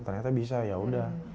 ternyata bisa ya sudah